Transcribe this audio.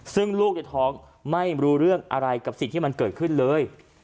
ซึ่งลูกในท้องไม่รู้เรื่องอะไรกับสิ่งที่มันเกิดขึ้นเลย